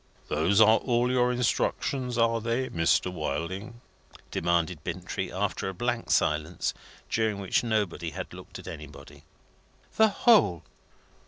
"Those are all your instructions, are they, Mr. Wilding?" demanded Bintrey, after a blank silence, during which nobody had looked at anybody. "The whole."